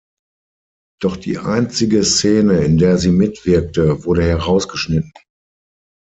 Doch die einzige Szene, in der sie mitwirkte, wurde herausgeschnitten.